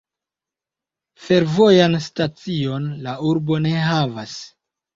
Fervojan stacion la urbo ne havas.